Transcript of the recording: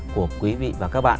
của quý vị và các bạn